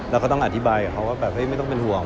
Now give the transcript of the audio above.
แล้วก็ต้องอธิบายกับเขาว่าแบบไม่ต้องเป็นห่วง